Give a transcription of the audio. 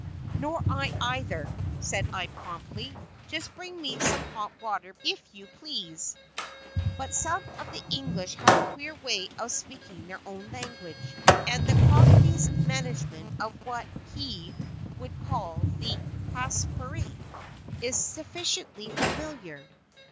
"Nor I, either," said I, promptly; "just bring me some hot water, if you please." But some of the English have a queer way of speaking their own language, and the cockney's management of what he would call the "haspirate" is sufficiently familiar.